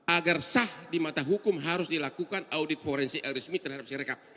agar sah di mata hukum harus dilakukan audit forensik resmi terhadap sirekap